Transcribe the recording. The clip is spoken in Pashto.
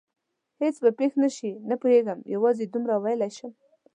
هېڅ به پېښ نه شي؟ نه پوهېږم، یوازې دومره ویلای شم.